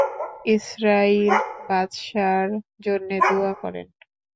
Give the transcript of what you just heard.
ইসরাঈল বাদশাহর জন্যে দুআ করেন।